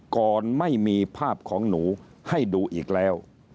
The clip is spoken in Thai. ก่อนไม่มีภาพของหนูให้ดูอีกแล้ว